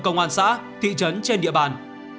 công an xã thị trấn trên địa bàn